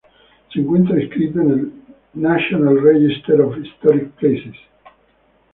Se encuentra inscrito en el National Register of Historic Places.